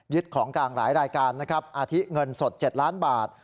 ของกลางหลายรายการนะครับอาทิเงินสด๗ล้านบาท